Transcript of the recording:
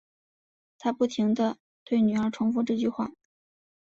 她不停对女儿重复这句话